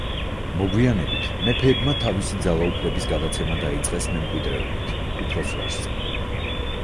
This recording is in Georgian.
მოგვიანებით, მეფეებმა თავისი ძალაუფლების გადაცემა დაიწყეს მემკვიდრეობით უფროს ვაჟზე.